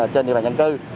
trên địa bàn nhân dân